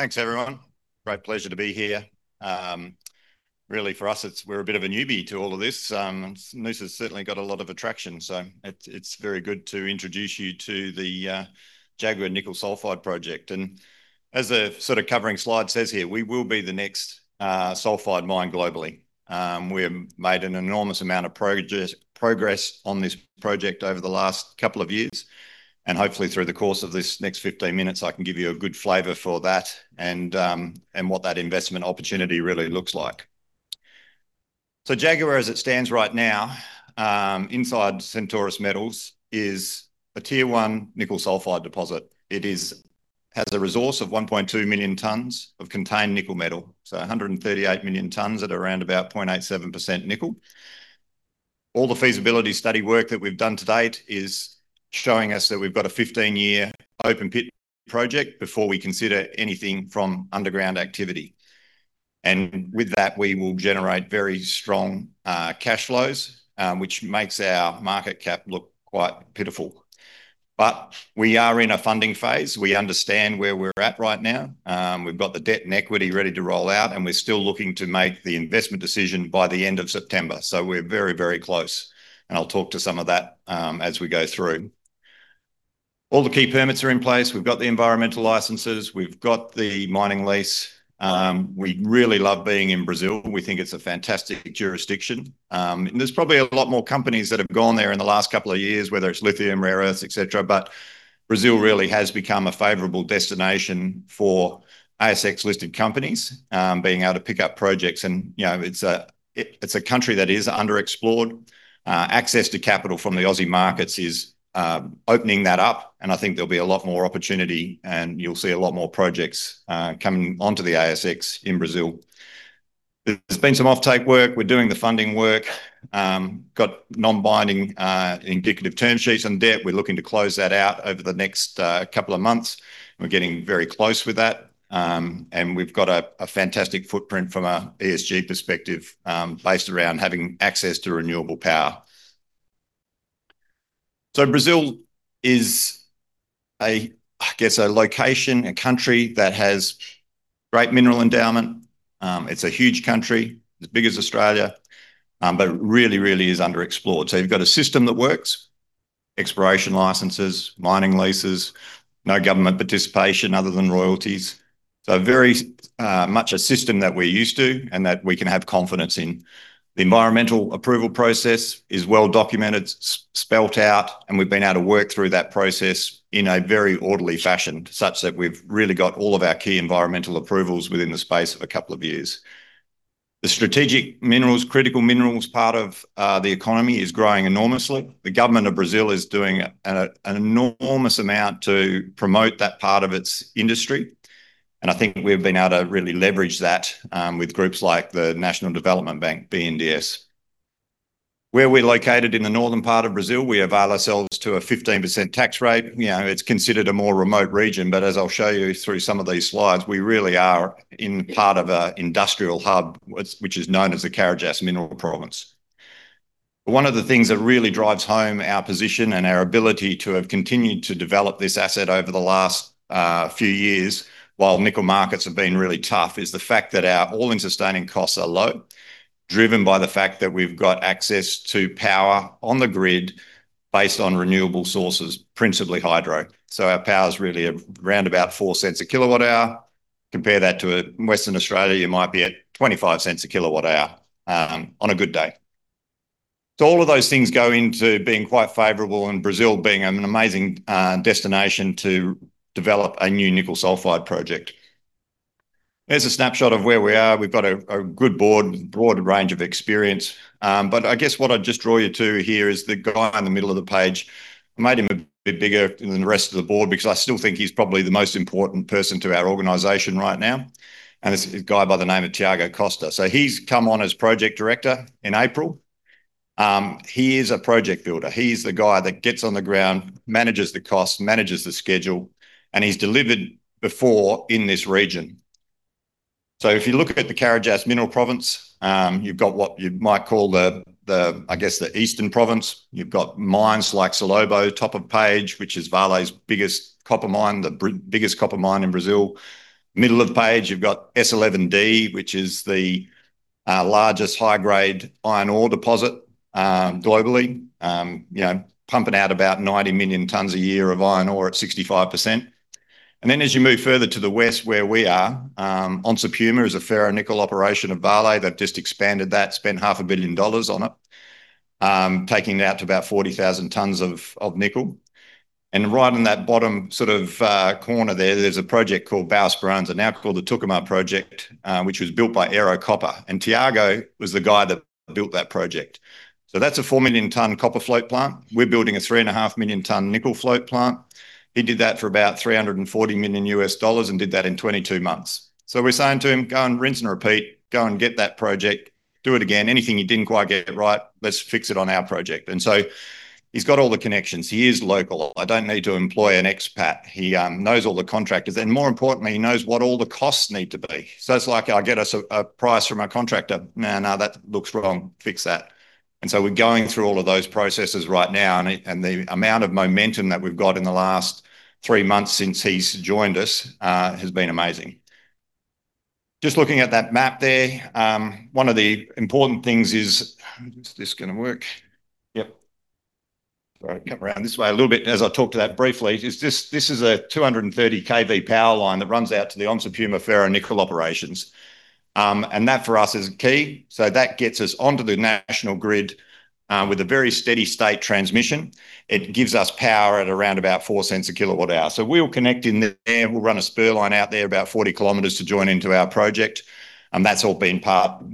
Thanks, everyone. Great pleasure to be here. Really for us, we're a bit of a newbie to all of this. Noosa's certainly got a lot of attraction. It's very good to introduce you to the Jaguar Nickel Sulphide Project. As the sort of covering slide says here, we will be the next sulfide mine globally. We have made an enormous amount of progress on this project over the last couple of years, and hopefully through the course of this next 15 minutes, I can give you a good flavor for that and what that investment opportunity really looks like. Jaguar, as it stands right now, inside Centaurus Metals is a tier one nickel sulfide deposit. It has a resource of 1.2 million tons of contained nickel metal, 138 million tons at around about 0.87% nickel. All the feasibility study work that we've done to date is showing us that we've got a 15-year open pit project before we consider anything from underground activity. With that, we will generate very strong cash flows, which makes our market cap look quite pitiful. We are in a funding phase. We understand where we're at right now. We've got the debt and equity ready to roll out, and we're still looking to make the investment decision by the end of September. We're very, very close, and I'll talk to some of that as we go through. All the key permits are in place. We've got the environmental licenses. We've got the mining lease. We really love being in Brazil. We think it's a fantastic jurisdiction. There's probably a lot more companies that have gone there in the last couple of years, whether it's lithium, rare earths, et cetera, Brazil really has become a favorable destination for ASX-listed companies being able to pick up projects. It's a country that is underexplored. Access to capital from the Aussie markets is opening that up, and I think there'll be a lot more opportunity, and you'll see a lot more projects coming onto the ASX in Brazil. There's been some offtake work. We're doing the funding work. Got non-binding indicative term sheets and debt. We're looking to close that out over the next couple of months, and we're getting very close with that. We've got a fantastic footprint from an ESG perspective, based around having access to renewable power. Brazil is, I guess, a location, a country that has great mineral endowment. It's a huge country, as big as Australia, really is underexplored. You've got a system that works, exploration licenses, mining leases, no government participation other than royalties. Very much a system that we're used to and that we can have confidence in. The environmental approval process is well documented, spelled out, and we've been able to work through that process in a very orderly fashion such that we've really got all of our key environmental approvals within the space of a couple of years. The strategic minerals, critical minerals part of the economy is growing enormously. The government of Brazil is doing an enormous amount to promote that part of its industry, and I think we've been able to really leverage that with groups like the National Development Bank, BNDES. Where we are located in the northern part of Brazil, we avail ourselves to a 15% tax rate. It is considered a more remote region, but as I will show you through some of these slides, we really are in part of a industrial hub which is known as the Carajás Mineral Province. One of the things that really drives home our position and our ability to have continued to develop this asset over the last few years while nickel markets have been really tough is the fact that our all-in sustaining costs are low, driven by the fact that we have got access to power on the grid based on renewable sources, principally hydro. Our power is really around about 0.04 a kilowatt hour. Compare that to Western Australia, you might be at 0.25 a kilowatt hour on a good day. All of those things go into being quite favorable and Brazil being an amazing destination to develop a new nickel sulfide project. There's a snapshot of where we are. We've got a good board with a broad range of experience. I guess what I'd just draw you to here is the guy in the middle of the page. I made him a bit bigger than the rest of the board because I still think he's probably the most important person to our organization right now. This is a guy by the name of Thiago Costa. He's come on as Project Director in April. He is a project builder. He's the guy that gets on the ground, manages the cost, manages the schedule, and he's delivered before in this region. If you look at the Carajás Mineral Province, you've got what you might call the, I guess, the eastern province. You've got mines like Salobo, top of page, which is Vale's biggest copper mine, the biggest copper mine in Brazil. Middle of page, you've got S11D, which is the largest high-grade iron ore deposit globally. Pumping out about 90 million tons a year of iron ore at 65%. As you move further to the west where we are, Onça Puma is a ferronickel operation of Vale that just expanded that, spent half a billion dollars on it, taking it out to about 40,000 tons of nickel. Right in that bottom sort of corner there's a project called Boa Esperança, now called the Tucumã project, which was built by Ero Copper. Thiago was the guy that built that project. That's a 4 million ton copper float plant. We're building a 3.5 million ton nickel float plant. He did that for about $340 million and did that in 22 months. We're saying to him, "Go and rinse and repeat. Go and get that project. Do it again. Anything you didn't quite get right, let's fix it on our project." He's got all the connections. He is local. I don't need to employ an expat. He knows all the contractors. More importantly, he knows what all the costs need to be. It's like I get a price from a contractor. "No, no, that looks wrong. Fix that." We're going through all of those processes right now, and the amount of momentum that we've got in the last three months since he's joined us has been amazing. Just looking at that map there. One of the important things is Is this going to work? Yep. Sorry, come around this way a little bit as I talk to that briefly. This is a 230 kV power line that runs out to the Onça Puma ferronickel operations. That for us is key. That gets us onto the national grid with a very steady state transmission. It gives us power at around about 0.04 a kWh. We'll connect in there. We'll run a spur line out there about 40 km to join into our project, and that's all been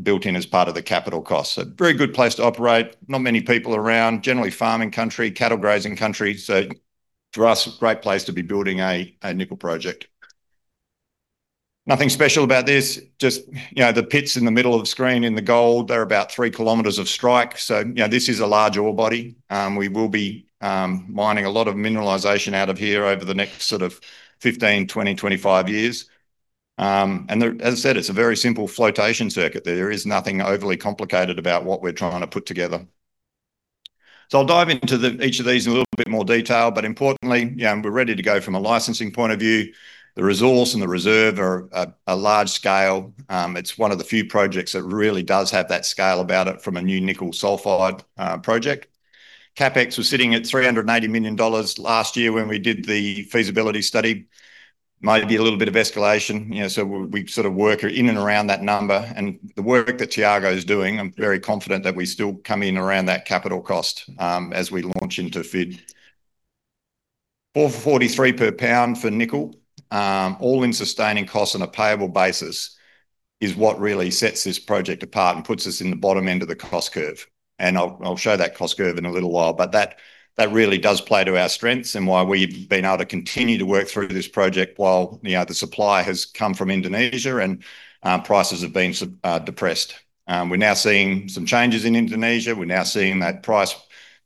built in as part of the capital cost. Very good place to operate. Not many people around. Generally farming country, cattle grazing country. For us, a great place to be building a nickel project. Nothing special about this, just the pits in the middle of screen in the gold, they're about 3 km of strike. This is a large ore body. We will be mining a lot of mineralization out of here over the next sort of 15, 20, 25 years. As I said, it's a very simple flotation circuit. There is nothing overly complicated about what we're trying to put together. I'll dive into each of these in a little bit more detail, but importantly, we're ready to go from a licensing point of view. The resource and the reserve are a large scale. It's one of the few projects that really does have that scale about it from a new nickel sulfide project. CapEx was sitting at 380 million dollars last year when we did the feasibility study. Maybe a little bit of escalation, we sort of work in and around that number. The work that Thiago is doing, I'm very confident that we still come in around that capital cost as we launch into FID. 4.43 per pound for nickel, all in sustaining costs on a payable basis is what really sets this project apart and puts us in the bottom end of the cost curve, and I'll show that cost curve in a little while. That really does play to our strengths and why we've been able to continue to work through this project while the supply has come from Indonesia and prices have been depressed. We're now seeing some changes in Indonesia. We're now seeing that price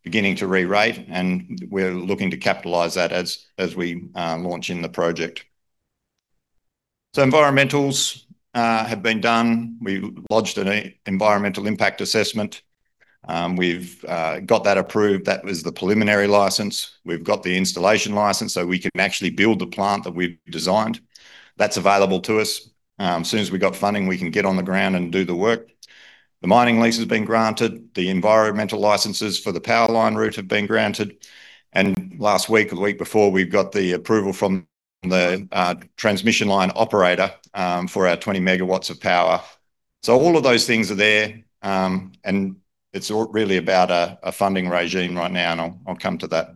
beginning to rerate, and we're looking to capitalize that as we launch in the project. Environmentals have been done. We lodged an environmental impact assessment. We've got that approved. That was the preliminary license. We've got the installation license so we can actually build the plant that we've designed. That's available to us. As soon as we've got funding, we can get on the ground and do the work. The mining lease has been granted. The environmental licenses for the power line route have been granted. Last week or the week before, we've got the approval from the transmission line operator for our 20 MW of power. All of those things are there, and it's all really about a funding regime right now, and I'll come to that.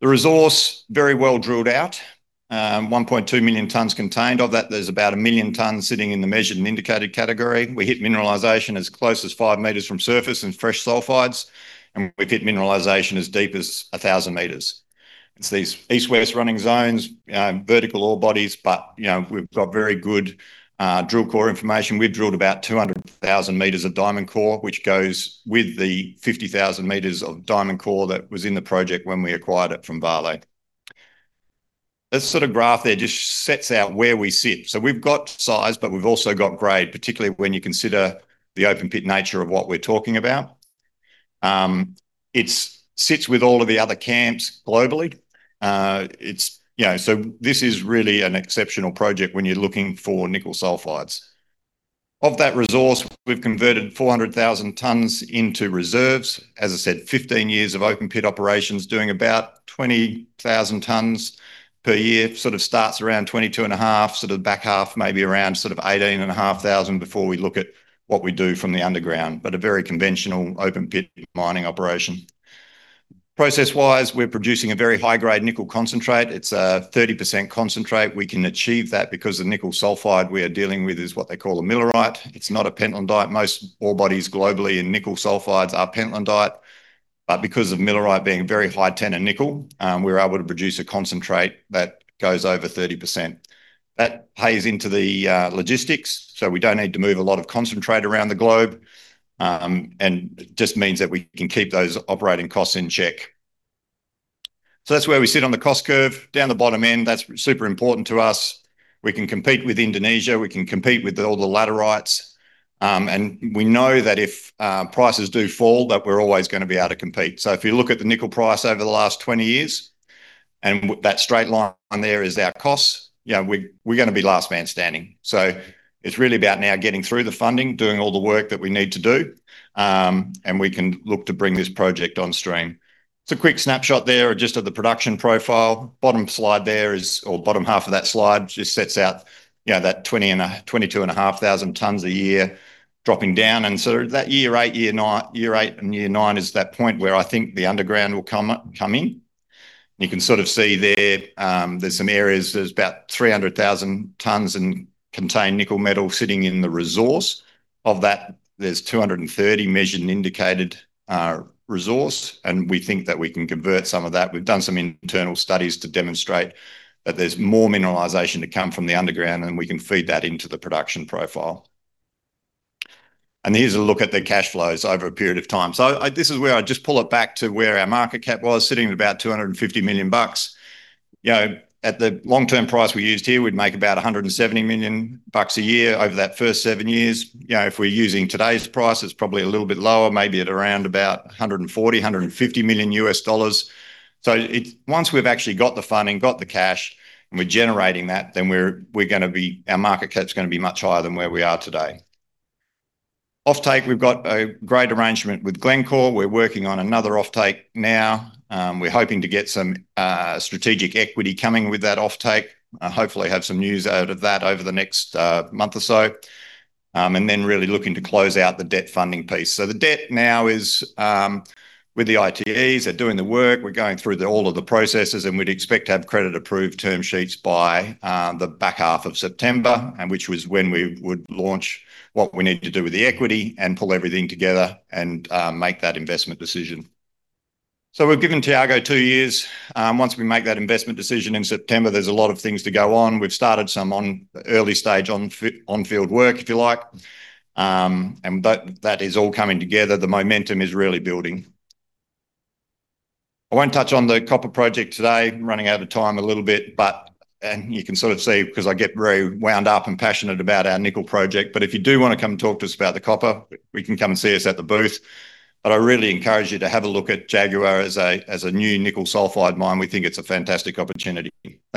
The resource, very well drilled out. 1.2 million tons contained. Of that, there's about a million tons sitting in the measured and indicated category. We hit mineralization as close as five meters from surface and fresh sulfides, we've hit mineralization as deep as 1,000 m. It's these east-west running zones, vertical ore bodies, but we've got very good drill core information. We've drilled about 200,000 m of diamond core, which goes with the 50,000 m of diamond core that was in the project when we acquired it from Vale. This sort of graph there just sets out where we sit. We've got size, but we've also got grade, particularly when you consider the open pit nature of what we're talking about. It sits with all of the other camps globally. This is really an exceptional project when you're looking for nickel sulfides. Of that resource, we've converted 400,000 tons into reserves. As I said, 15 years of open pit operations, doing about 20,000 tons per year. Starts around 22.5, back half, maybe around 18,500 before we look at what we do from the underground. A very conventional open pit mining operation. Process-wise, we're producing a very high-grade nickel concentrate. It's a 30% concentrate. We can achieve that because the nickel sulfide we are dealing with is what they call a millerite. It's not a pentlandite. Most ore bodies globally in nickel sulfides are pentlandite. Because of millerite being very high tenor nickel, we're able to produce a concentrate that goes over 30%. That plays into the logistics, so we don't need to move a lot of concentrate around the globe. It just means that we can keep those operating costs in check. That's where we sit on the cost curve. Down the bottom end, that's super important to us. We can compete with Indonesia. We can compete with all the laterites. We know that if prices do fall, that we're always going to be able to compete. If you look at the nickel price over the last 20 years, and that straight line there is our costs, we're going to be last man standing. It's really about now getting through the funding, doing all the work that we need to do, and we can look to bring this project on stream. It's a quick snapshot there just of the production profile. Bottom slide there is, or bottom half of that slide, just sets out that 22,500 tons a year dropping down. That year eight and year nine is that point where I think the underground will come in. You can sort of see there's some areas, there's about 300,000 tons in contained nickel metal sitting in the resource. Of that, there's 230 measured and indicated resource, and we think that we can convert some of that. We've done some internal studies to demonstrate that there's more mineralization to come from the underground, and we can feed that into the production profile. Here's a look at the cash flows over a period of time. This is where I just pull it back to where our market cap was, sitting at about 250 million bucks. At the long-term price we used here, we'd make about 170 million bucks a year over that first seven years. If we're using today's price, it's probably a little bit lower, maybe at around about $140 million-$150 million. Once we've actually got the funding, got the cash, and we're generating that, then our market cap's going to be much higher than where we are today. Offtake, we've got a great arrangement with Glencore. We're working on another offtake now. We're hoping to get some strategic equity coming with that offtake. Hopefully have some news out of that over the next month or so. Then really looking to close out the debt funding piece. The debt now is with the ITEs. They're doing the work. We're going through all of the processes, and we'd expect to have credit approved term sheets by the back half of September. Which was when we would launch what we need to do with the equity and pull everything together and make that investment decision. We've given Thiago two years. Once we make that investment decision in September, there's a lot of things to go on. We've started some early stage on-field work, if you like. That is all coming together. The momentum is really building. I won't touch on the copper project today. Running out of time a little bit. You can sort of see, because I get very wound up and passionate about our nickel project, but if you do want to come and talk to us about the copper, you can come and see us at the booth. I really encourage you to have a look at Jaguar as a new nickel sulfide mine. We think it's a fantastic opportunity. Thanks.